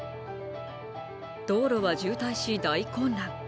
道路は渋滞し大混乱。